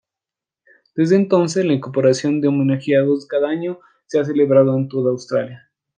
Desde entonces, la incorporación de homenajeados cada año se ha celebrado en toda Australia.